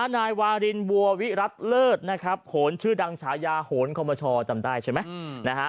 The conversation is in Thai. นายวาลินวัวิรัตเลิศโหนชื่อดังฉายาโหนคมรชอจำได้ใช่ไหม